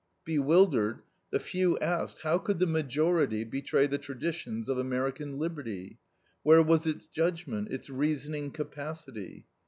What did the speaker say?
Bewildered, the few asked how could the majority betray the traditions of American liberty? Where was its judgment, its reasoning capacity?